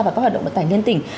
vào các hoạt động vận tải liên tỉnh